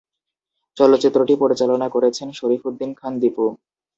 চলচ্চিত্রটি পরিচালনা করেছেন শরীফ উদ্দীন খান দীপু।